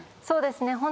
そうですね。